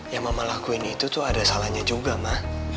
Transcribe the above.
yang mama lakuin itu tuh ada salahnya juga mah